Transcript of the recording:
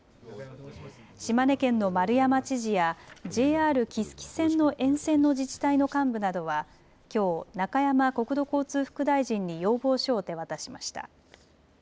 島根県の丸山知事やＪＲ木次線の沿線の自治体の幹部などはきょう、中山国土交通副大臣に要望書を手渡しました。